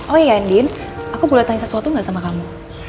oh ya andin aku boleh tanya sesuatu nggak sama kamu